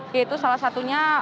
yaitu salah satunya